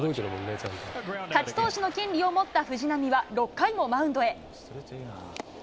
勝ち投手の権利を持った藤浪は、６回もマウンドへ。